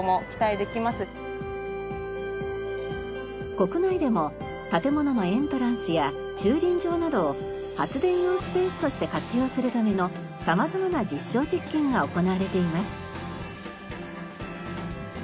国内でも建物のエントランスや駐輪場などを発電用スペースとして活用するための様々な実証実験が行われています。